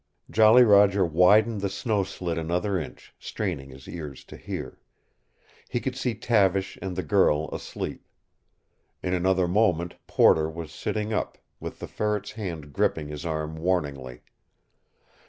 Jolly Roger widened the snow slit another inch, straining his ears to hear. He could see Tavish and the girl asleep. In another moment Porter was sitting up, with the Ferret's hand gripping his arm warningly.